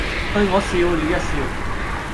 對我笑了一笑；